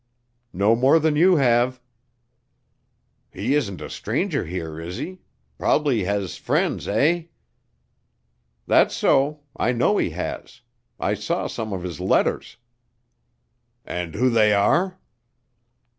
"No more than you have." "He isn't a stranger here, is he? Prob'ly has friends, eh?" "That's so. I know he has. I saw some of his letters." "Know who they are?"